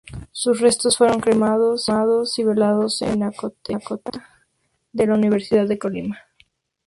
Sus restos fueron cremados y velados en la Pinacoteca de la Universidad de Colima.